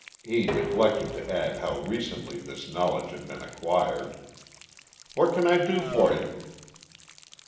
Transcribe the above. (He neglected to add how recently this knowledge had been acquired.) "What can I do for you?"